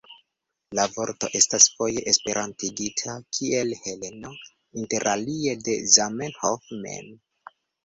La vorto estas foje esperantigita kiel Heleno, interalie de Zamenhof mem.